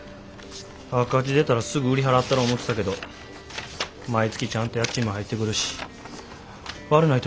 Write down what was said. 赤字出たらすぐ売り払ったろ思てたけど毎月ちゃんと家賃も入ってくるし悪ない投資先やわ。